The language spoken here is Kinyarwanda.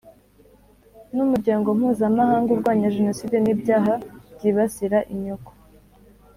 n umuryango mpuzamahanga urwanya Jenoside n ibyaha byibasira inyoko